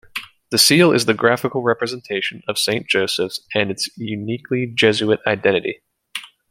The seal is the graphical representation of Saint Joseph's and its uniquely Jesuit identity.